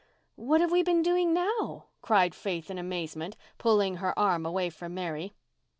"What have we been doing now?" cried Faith in amazement, pulling her arm away from Mary.